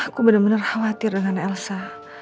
aku bener bener khawatir dengan elsa